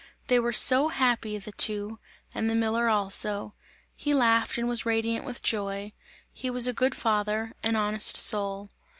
They were so happy, the two, and the miller also; he laughed and was radiant with joy; he was a good father, an honest soul.